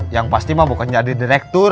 yang pasti mah bukan jadi direktur